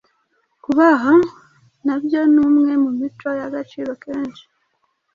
Kubaha na byo ni umwe mu mico y’agaciro kenshi